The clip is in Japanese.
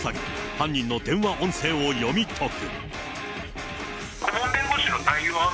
犯人の電話音声を読み解く。